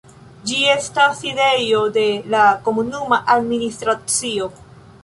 Ĝi estas sidejo de la komunuma administracio.